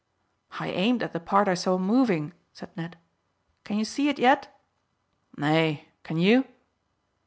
"I aimed at the part I saw moving," said Ned. "Can you see it yet?" "Nay. Can you?"